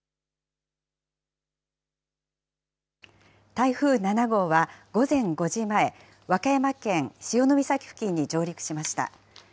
台風７号は午前５時前、和歌山県潮岬付近に上陸しました。